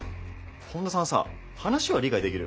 本田さんさ話は理解できる？